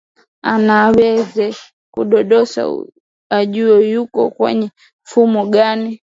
na aweze kudodosa ajue yuko kwenye mfuko gani